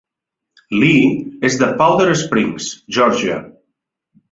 Lee és de Powder Springs, Georgia.